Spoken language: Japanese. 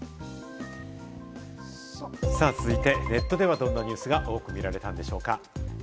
続いてネットではどんなニュースが多く見られたんでしょうか？